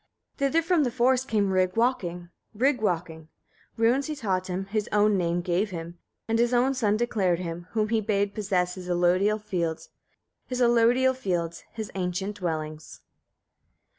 33. Thither from the forest came Rig walking, Rig walking: runes he taught him, his own name gave him, and his own son declared him, whom he bade possess his alodial fields, his alodial fields, his ancient dwellings.